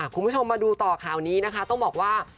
คุณผู้ชมมาดูต่อข่าวนี้นะคะต้องบอกว่า